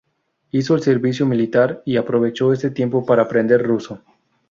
Hizo el servicio militar y aprovechó ese tiempo para aprender ruso.